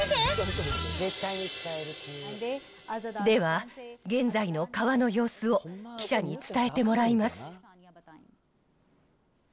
では、現在の川の様子を記者に伝えてもらいます。